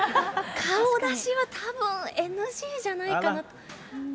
顔出しはたぶん、ＮＧじゃないかなと。